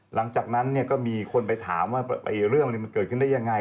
หลังจากนั้นก็มีคนไปถามว่าเรื่องมันเกิดขึ้นได้ยังไง